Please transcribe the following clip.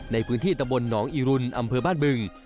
ในพื้นที่ตะบลหนองอีรุนอำเภอบ้านบึง